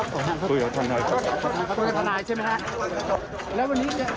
ขอโทษครับ